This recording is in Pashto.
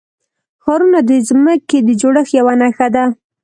ښارونه د ځمکې د جوړښت یوه نښه ده.